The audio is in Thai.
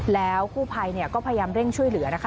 แล้วกู้ภัยก็พยายามเร่งช่วยเหลือนะคะ